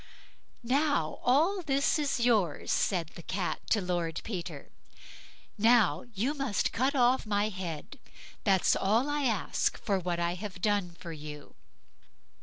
"Now all this is yours", said the Cat to Lord Peter. "Now, you must cut off my head; that's all I ask for what I have done for you."